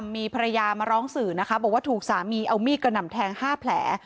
มีภรรยามาร้องสื่อนะคะบอกว่าถูกสามีเอามีดกระหน่ำแทง๕แผล